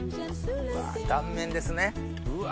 断面ですねうわ